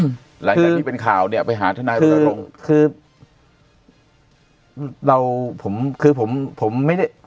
หลังจากที่เป็นข่าวเนี้ยไปหาทนายรณรงค์คือเราผมคือผมผมไม่ได้